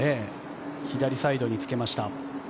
左サイドにつけました。